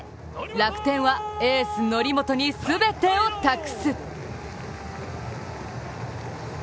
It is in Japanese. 楽天はエース・則本に全てを託す。